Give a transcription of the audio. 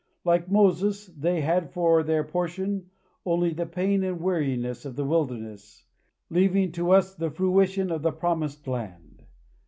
Like Moses, they had for their portion only the pain and weariness of the wilderness, leaving to us the fruition of the promised land.